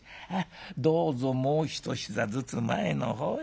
どうぞもう一膝ずつ前の方へ。